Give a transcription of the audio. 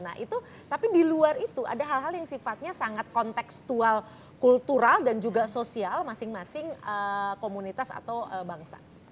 nah itu tapi di luar itu ada hal hal yang sifatnya sangat konteksual kultural dan juga sosial masing masing komunitas atau bangsa